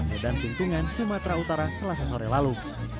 medan tuntungan sumatera utara selasa sore lalu